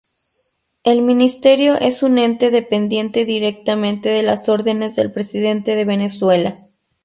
El Ministerio es un ente dependiente directamente de las órdenes del presidente de Venezuela.